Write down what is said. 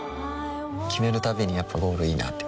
決めるたびにやっぱゴールいいなってふん